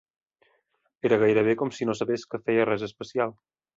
Era gairebé com si no sabés que feia res especial.